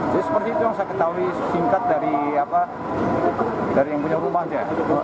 jadi seperti itu yang saya ketahui singkat dari yang punya rumah dia